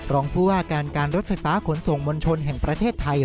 รองผู้ว่าการการรถไฟฟ้าขนส่งมวลชนแห่งประเทศไทย